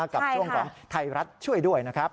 กับช่วงของไทยรัฐช่วยด้วยนะครับ